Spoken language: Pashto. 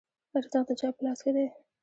رزق د چا په لاس کې دی؟